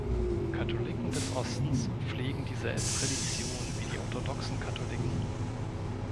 Katholiken des Ostens pflegen dieselbe Tradition wie die orthodoxen Katholiken.